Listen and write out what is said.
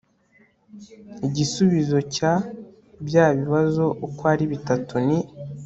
igisubizo cya bya bibazo uko ari bitatu ni